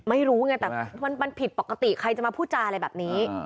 ไม่รู้ไงแต่มันผิดปกติใครจะมาพูดจาอะไรแบบนี้